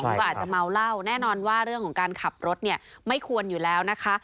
ก็อาจจะเมาเหล้าแน่นอนว่าเรื่องของการขับรถเนี่ยไม่ควรอยู่แล้วนะคะ